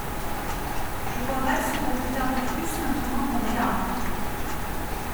Je vois mal ce qu’on peut faire de plus maintenant qu’on est là